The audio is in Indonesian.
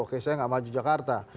oke saya gak maju jakarta